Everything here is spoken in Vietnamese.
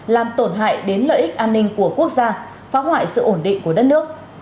làm tổn hại đến lợi ích an ninh của quốc gia phá hoại sự ổn định của đất nước